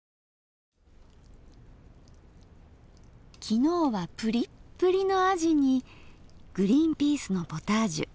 昨日はプリップリのあじにグリンピースのポタージュ。